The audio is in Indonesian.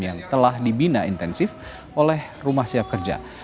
yang telah dibina intensif oleh rumah siap kerja